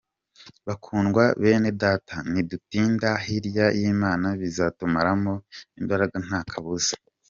Bakundwa bene Data, nidutinda hirya y’Imana bizatumaramo imbaraga nta kabuza.